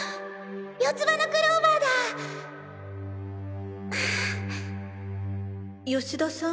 四つ葉のクローバーだああ吉田さん？